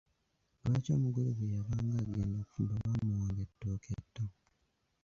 Lwaki omugole bwe yabanga agenda okufumba baamuwanga ettooke tto?